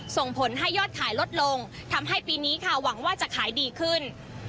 ส่งผลให้ยอดขายลดลงทำให้ปีนี้ค่ะหวังว่าจะขายดีขึ้น